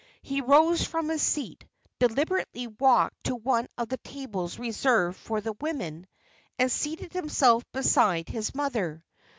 He rose from his seat, deliberately walked to one of the tables reserved for the women, and seated himself beside his mother.